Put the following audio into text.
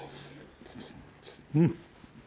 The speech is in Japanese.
うん。